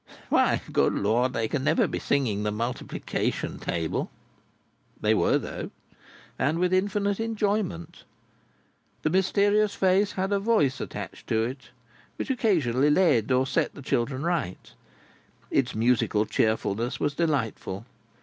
Why, good Lord, they can never be singing the multiplication table!" They were though, and with infinite enjoyment. The mysterious face had a voice attached to it which occasionally led or set the children right. Its musical cheerfulness was delightful.